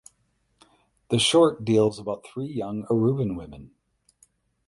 The short deals about three young Aruban women.